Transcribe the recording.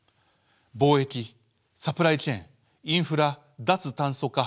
貿易サプライチェーンインフラ・脱炭素化